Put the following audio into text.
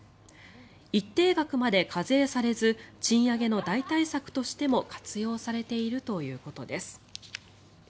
一定額まで課税されず賃上げの代替策としても活用されているということです。